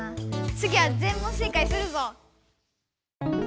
つぎは全問正解するぞ！